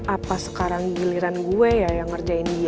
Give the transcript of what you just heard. apa sekarang giliran gue ya yang ngerjain dia